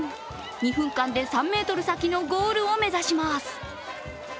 ２分間で３ｍ先のゴールを目指します